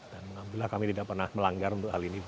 alhamdulillah kami tidak pernah melanggar untuk hal ini